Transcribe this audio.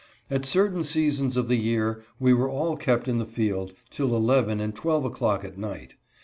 At certain sea sons of the year we were all kept in the field till eleven and twelve o'clock at night.